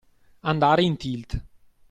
Andare in tilt.